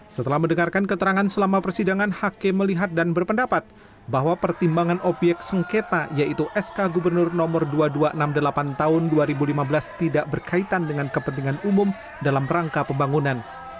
setelah mendengarkan keterangan selama persidangan hakim melihat dan berpendapat bahwa pertimbangan obyek sengketa yaitu sk gubernur nomor dua ribu dua ratus enam puluh delapan tahun dua ribu lima belas tidak berkaitan dengan kepentingan umum dalam rangka pembangunan